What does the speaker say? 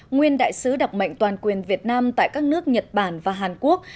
nguyên đại sứ đặc mệnh toàn quyền việt nam tại các nước nhật bản và hàn quốc